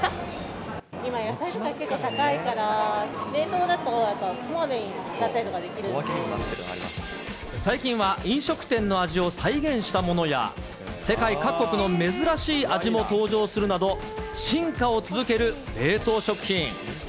今、野菜とか結構高いから、冷凍だと、最近は、飲食店の味を再現したものや、世界各国の珍しい味も登場するなど、進化を続ける冷凍食品。